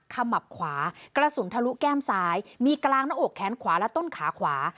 ขมับขวากระสุนทะลุแก้มซ้ายมีกลางหน้าอกแขนขวาและต้นขาขวา